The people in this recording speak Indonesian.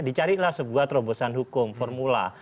dicarilah sebuah terobosan hukum formula